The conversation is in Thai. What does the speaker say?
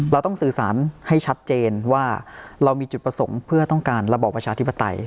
เราต้องสื่อสารให้ชัดเจนว่าเรามีจุดประสงค์เพื่อต้องการระบอบประชาธิปไตย